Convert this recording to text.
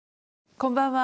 こんばんは。